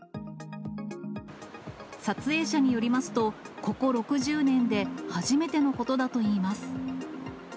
撮影者によりますと、ここ６０年で初めてのことだといいます。